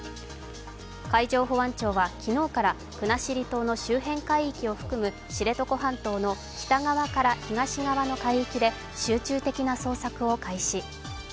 海上保安庁は昨日から国後島の周辺海域を含む知床半島の北側から東側の海域で集中的な捜索を開始。